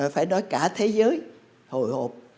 phải nói cả thế giới hồi hộp